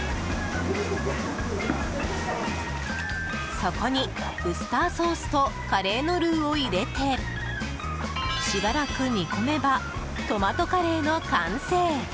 そこに、ウスターソースとカレーのルーを入れてしばらく煮込めばトマトカレーの完成。